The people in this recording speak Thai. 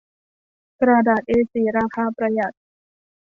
กระดาษเอสี่ราคาประหยัด